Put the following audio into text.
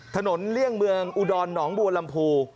ถนนเลี่ยงเมืองอุดรหนองบวรรรมภู